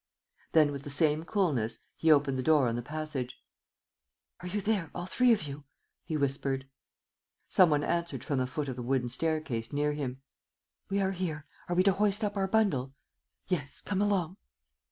Then, with the same coolness, he opened the door on the passage: "Are you there, all the three of you?" he whispered. Some one answered from the foot of the wooden staircase near him: "We are here. Are we to hoist up our bundle?" "Yes, come along!"